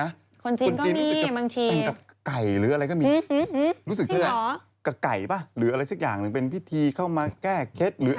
อันนี้ไม่แพร่เพราะว่ามันเป็นความเชื่อ